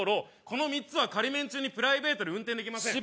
この３つは仮免中にプライベートで運転できません